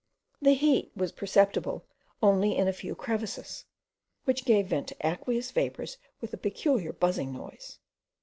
The heat was perceptible only in a few crevices, which gave vent to aqueous vapours with a peculiar buzzing noise.